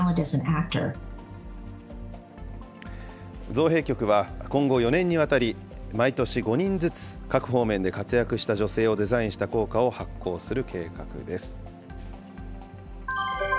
造幣局は、今後４年にわたり、毎年５人ずつ各方面で活躍した女性をデザインした硬貨を発行する計画です。